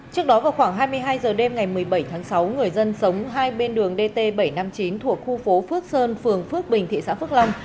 trước đó vào khoảng hai mươi hai h đêm ngày một mươi bảy tháng sáu người dân sống hai bên đường dt bảy trăm năm mươi chín thuộc khu phố phước sơn phường phước bình thị xã phước long